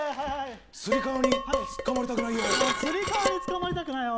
つり革につかまりたくない？